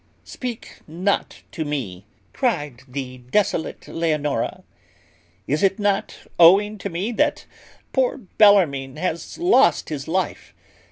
"Speak not to me," cried the disconsolate Leonora; "is it not owing to me that poor Bellarmine has lost his life?